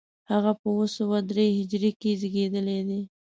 هغه په اوه سوه درې هجري کې زېږېدلی دی.